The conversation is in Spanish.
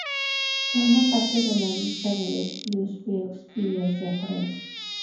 Forma parte de la lista de les plus beaux villages de France.